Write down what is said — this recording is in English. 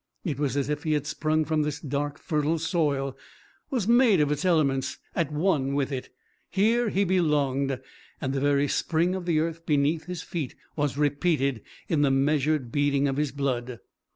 It was as if he had sprung from this dark fertile soil, was made of its elements, at one with it. Here he belonged, and the very spring of the earth beneath his feet was repeated in the measured beating of his blood.